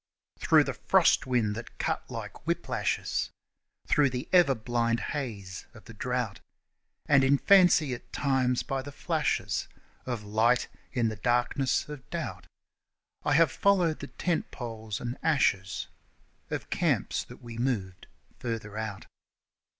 Through the frost wind that cut like whip lashes, Through the ever blind haze of the drought And in fancy at times by the flashes Of light in the darkness of doubt I have followed the tent poles and ashes Of camps that we moved further out.